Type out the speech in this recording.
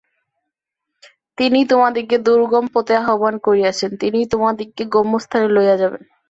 তিনিই তোমাদিগকে দুর্গম পথে আহ্বান করিয়াছেন, তিনিই তোমাদিগকে গম্যস্থানে লইয়া যাইবেন।